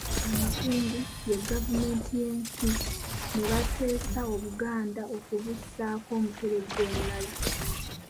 Abakungu, ye Gavumenti y'ensi, ne bateesa Obuganda okubussaako Omuteregga omulala.